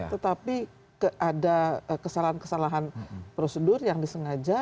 tetapi ada kesalahan kesalahan prosedur yang disengaja